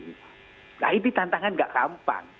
nah itu tantangan tidak gampang